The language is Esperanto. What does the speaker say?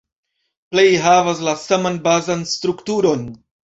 Plej havas la saman bazan strukturon.